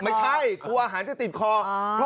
ไม่ใช่กลัวอาหารจะติดคอ